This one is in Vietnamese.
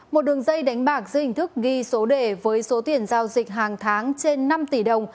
một đường dây đánh bạc dưới hình thức ghi số đề với số tiền giao dịch hàng tháng trên năm tỷ đồng